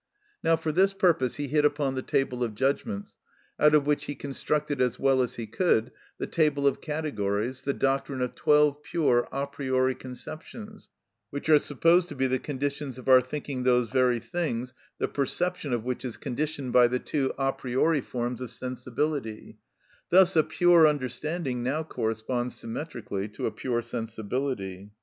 Now for this purpose he hit upon the table of judgments, out of which he constructed, as well as he could, the table of categories, the doctrine of twelve pure a priori conceptions, which are supposed to be the conditions of our thinking those very things the perception of which is conditioned by the two a priori forms of sensibility: thus a pure understanding now corresponded symmetrically to a pure sensibility.